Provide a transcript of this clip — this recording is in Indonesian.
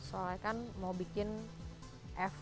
soalnya kan mau bikin f